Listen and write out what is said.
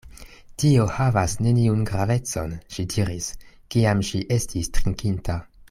Tio havas neniun gravecon, ŝi diris, kiam ŝi estis trinkinta.